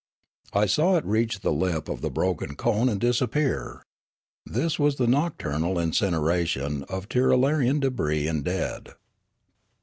I saw it reach the lip of the broken cone and disappear. This was the noc turnal incineration of Tirralarian debris and dead.